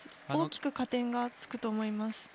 大きく加点がつくと思います。